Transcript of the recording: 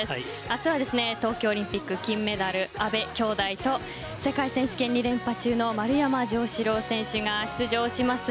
明日は東京オリンピック金メダル阿部きょうだいと世界選手権２連覇中の丸山城志郎選手が出場します。